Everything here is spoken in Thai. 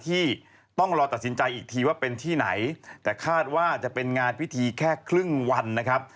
อีกทีว่าเป็นที่ไหนแต่คาดว่าจะเป็นงานพิธีแค่ครึ่งวันนะครับ